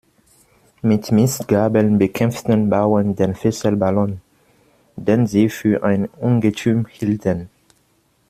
Mit Mistgabeln bekämpften Bauern den Fesselballon, den Sie für ein Ungetüm hielten.